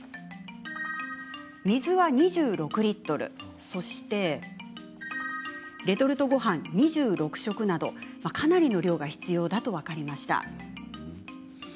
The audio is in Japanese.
水は、２６リットルレトルトごはん２６食などかなりの量が必要だと分かりました。